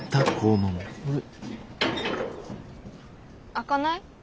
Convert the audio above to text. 開かない？